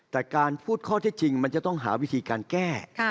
แต่การพูดข้อเท็จจริงมันจะต้องหาวิธีการแก้